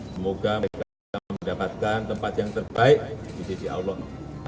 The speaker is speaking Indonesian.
semoga mereka mendapatkan tempat yang terbaik di diri allah